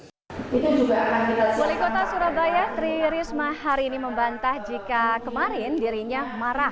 wali kota surabaya tri risma hari ini membantah jika kemarin dirinya marah